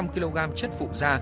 hai trăm linh kg chất phụ da